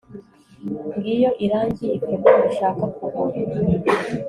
Ngiyo irangi ifoto ushaka kugura